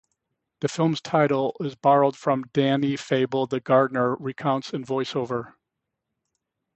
The film's title is borrowed from a Dani fable that Gardner recounts in voice-over.